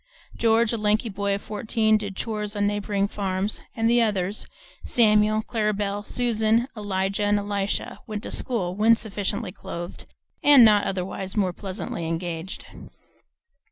George, a lanky boy of fourteen, did chores on neighboring farms, and the others, Samuel, Clara Belle, Susan, Elijah, and Elisha, went to school, when sufficiently clothed and not otherwise more pleasantly engaged.